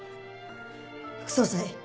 副総裁